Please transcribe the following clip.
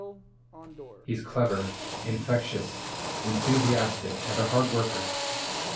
He's clever, infectious, enthusiastic and a hard worker.